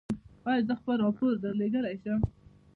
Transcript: ایا زه خپل راپور درلیږلی شم؟